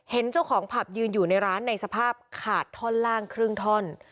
เห็นเจ้าของผับยืนอยู่ในร้านในสภาพขาดท่อนล่างครึ่งท่อน